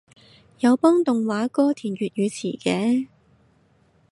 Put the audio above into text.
有幫動畫歌填粵語詞嘅